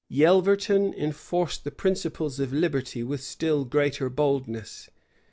[] Yelverton enforced the principles of liberty with still greater boldness.